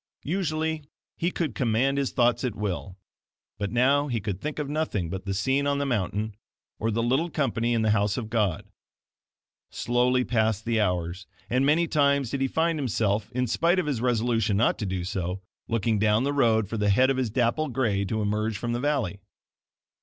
Usually he could command his thoughts at will, but now he could think of nothing but the scene on the mountain, or the little company in the house of God. Slowly passed the hours, and many times did he find himself, in spite of his resolution not to do so, looking down the road for the head of his dapple gray to emerge from the valley.